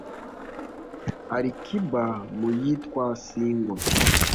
Ali Kiba mu yitwa "Single"